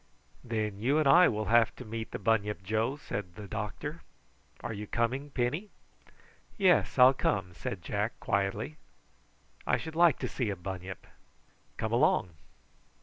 "Then you and I will have to meet the bunyip, Joe," said the doctor. "Are you coming, Penny?" "Yes, I'll come," said Jack quietly. "I should like to see a bunyip. Come along."